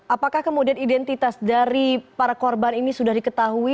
apakah kemudian identitas dari para korban ini sudah diketahui